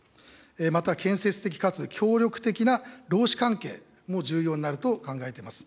また、建設的かつ協力的な労使関係も重要になると考えてます。